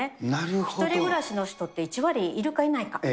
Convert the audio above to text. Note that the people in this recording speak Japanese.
１人暮らしの人って１割いるかいないか。